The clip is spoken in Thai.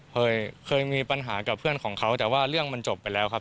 เคยเคยมีปัญหากับเพื่อนของเขาแต่ว่าเรื่องมันจบไปแล้วครับ